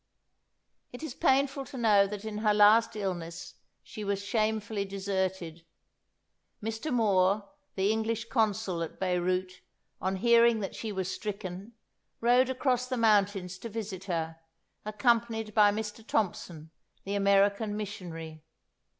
'" It is painful to know that in her last illness she was shamefully deserted. Mr. Moore, the English consul at Beyrout, on hearing that she was stricken, rode across the mountains to visit her, accompanied by Mr. Thompson, the American missionary.